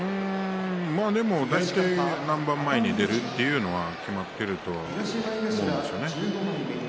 でも大体、何番前に出るというのは決まっているのでね